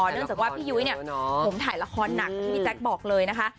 เนื่องจากว่าพี่ยุ้ยเนี่ยผมถ่ายละครหนักอย่างที่พี่แจ๊คบอกเลยนะคะ